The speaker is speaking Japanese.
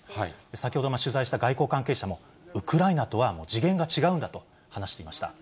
先ほど、取材した外交関係者も、ウクライナとはもう次元が違うんだと話していました。